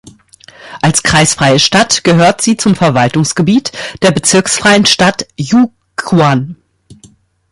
Als kreisfreie Stadt gehört sie zum Verwaltungsgebiet der bezirksfreien Stadt Jiuquan.